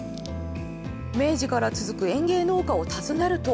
明治から続く園芸農家を訪ねると。